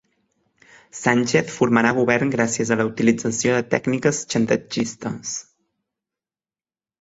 Sánchez formarà govern gràcies a la utilització de tècniques xantatgistes